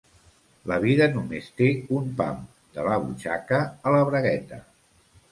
La vida només té un pam, de la butxaca a la bragueta.